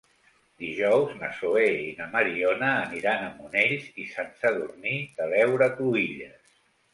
Dijous na Zoè i na Mariona aniran a Monells i Sant Sadurní de l'Heura Cruïlles.